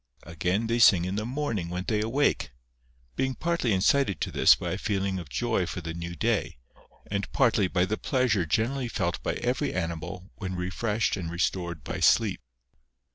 Again, they sing in the morning when they awake ; being partly incited to this by a feeling of joy for the new day, and partly by the plea sure generally felt by every animal when refreshed and restored by sleep.